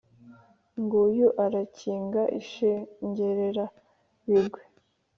Nguyu arakinga Inshengeranabigwi !"